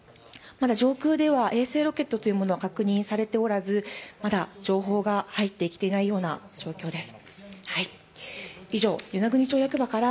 まだ上空では衛星ロケットというものは確認されておらずまだ情報が入ってきていないような状況です。